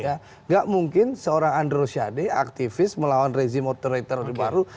tidak mungkin seorang andro syadeh aktivis melawan rezim otoriter baru